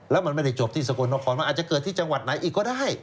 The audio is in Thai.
แล้วมันไม่ได้จบที่สกลนครมันอาจจะเกิดที่จังหวัดไหนอีกก็ได้